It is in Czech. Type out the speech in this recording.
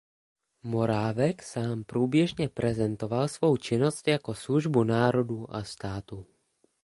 Morávek sám průběžně prezentoval svou činnost jako službu národu a státu.